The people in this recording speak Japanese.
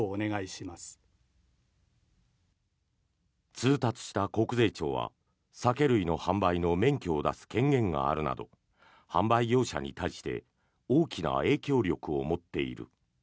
通達した国税庁は酒類の販売の免許を出す権限があるなど販売業者に対して大きな影響力を持っている。